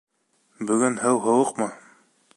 Бөгөн һыу һыуыҡмы?